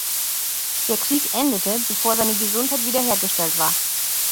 Der Krieg endete, bevor seine Gesundheit wiederhergestellt war.